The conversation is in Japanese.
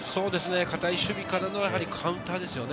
堅い守備からのカウンターですね。